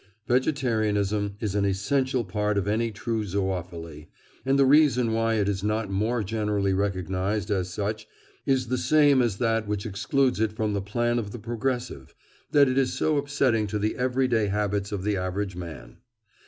Vegetarianism is an essential part of any true zoophily, and the reason why it is not more generally recognised as such is the same as that which excludes it from the plan of the progressive—that it is so upsetting to the every day habits of the average man.